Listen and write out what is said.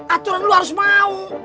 aturan lu harus mau